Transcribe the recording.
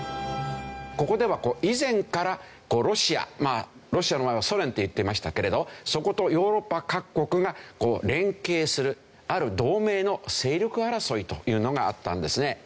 ここでは以前からロシアまあロシアの前はソ連っていってましたけれどそことヨーロッパ各国が連携するある同盟の勢力争いというのがあったんですね。